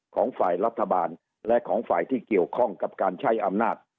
ของฝ่ายรัฐบาลและของฝ่ายที่เกี่ยวข้องกับการใช้อำนาจ